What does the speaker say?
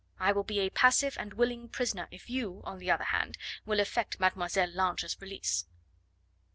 I will be a passive and willing prisoner if you, on the other hand, will effect Mademoiselle Lange's release."